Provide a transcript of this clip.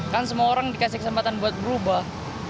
kan semua orang dikasih kesempatan buat berubah